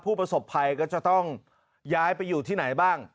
ผู้ประสบภัยก็จะต้องย้ายไปอยู่ที่ไหนบ้าง